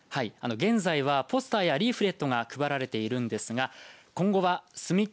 現在は、ポスターやリーフレットが配られているんですが今後はすみっコ